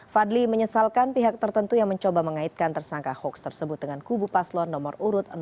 fadli menyesalkan pihak tertentu yang mencoba mengaitkan tersangka hoax tersebut dengan kubu paslon nomor urut dua